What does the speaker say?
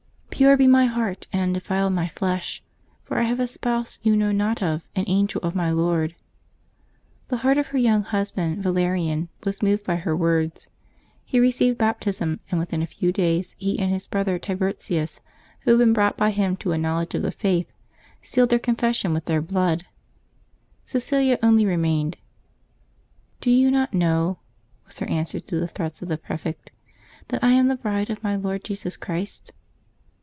"Pure 364 LIVES OF THE SAINTS [Xovembee 23 be my heart and undefiled my flesh ; for I have a spouse you know not of — an angel of my Lord/^ The heart of her young husband Valerian was moved by her words; he received Baptism, and within a few days he and his brother Tiburtius, who had been brought by him to a knowledge of the Faith, sealed their confession with their blood. Cecilia only remained. "Do you not know," was her answer to the threats of the prefect, " that I am the bride of my Lord Jesus Christ